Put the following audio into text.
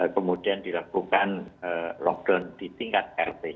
kemudian dilakukan lockdown ditingkat rt